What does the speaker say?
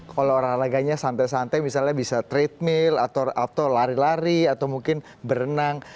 kalau olahraganya santai santai misalnya bisa trade mill atau lari lari atau mungkin berenang